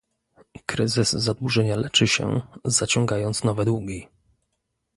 Kryzys zadłużenia leczy się, zaciągając nowe długi